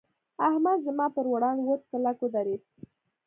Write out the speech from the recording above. احمد زما پر وړاند وچ کلک ودرېد.